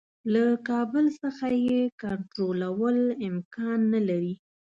له کابل څخه یې کنټرولول امکان نه لري.